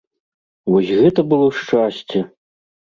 Вось гэта было шчасце!